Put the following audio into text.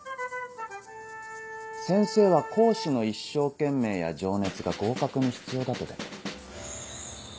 先生は講師の一生懸命や情熱が合格に必要だとでも？